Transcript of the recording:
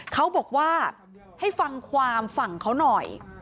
เขาบอกว่าให้ฟังความฝั่งเขาหน่อย